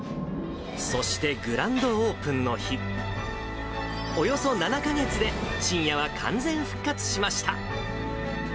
そしてグランドオープンの日、およそ７か月で、ちんやは完全復活しました。